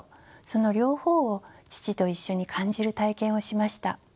その両方を父と一緒に感じる体験をしました。